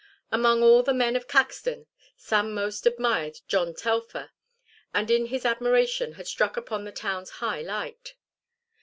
Among all the men of Caxton, Sam most admired John Telfer and in his admiration had struck upon the town's high light.